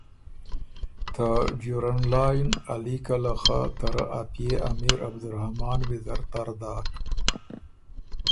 ته ډیورنډ لائن ا لیکه له خه ته رۀ ا پئے امیر عبدالرحمان ویزر تر داک۔